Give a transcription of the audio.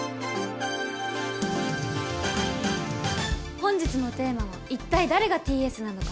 本日のテーマは一体誰がＴ・Ｓなのか！？